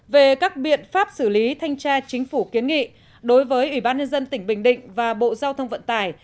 về các biện pháp xử lý thanh tra chính phủ kiến nghị đối với ủy ban nhân dân tỉnh bình định và bộ giao thông vận tải